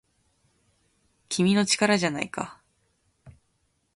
「君の！力じゃないか!!」